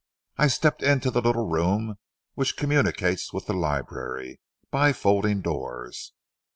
I stepped into the little room which communicates with the library by folding doors.